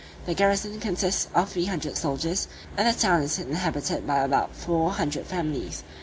The garrison consists of three hundred soldiers, and the town is inhabited by about four hundred families.